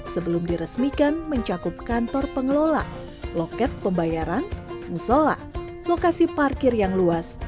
sebelum diresmikan mencakup kantor pengelola loket pembayaran musola lokasi parkir yang luas